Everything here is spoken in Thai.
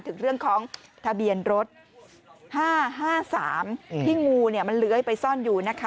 ถึงเรื่องของทะเบียนรถ๕๕๓ที่งูมันเลื้อยไปซ่อนอยู่นะคะ